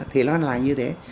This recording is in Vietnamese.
thì nó là như thế